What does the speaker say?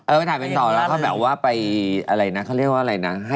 เออเขาเอาไว้ผ่านเขารักอยู่